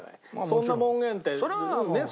そんな門限ってね。